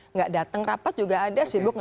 nggak datang rapat juga ada sibuk